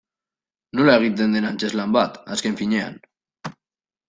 Nola egiten den antzezlan bat, azken finean.